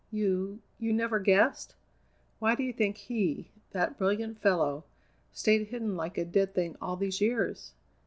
"You you never guessed? Why do you think he, that brilliant fellow, stayed hidden like a dead thing all these years?"